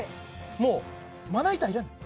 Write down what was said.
もうまな板いらない